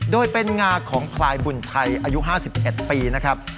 โดยเป็นงาของพลายบุญชัยอายุ๕๑ปีนะครับ